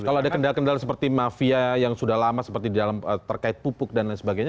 kalau ada kendala kendala seperti mafia yang sudah lama seperti dalam terkait pupuk dan lain sebagainya